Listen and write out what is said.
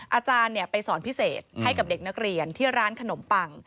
อาจารย์ไปสอนพิเศษให้กับเด็กนักเรียนที่ร้านขนมปัง